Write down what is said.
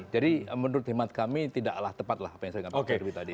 jadi menurut khidmat kami tidak alah tepat lah apa yang saya katakan tadi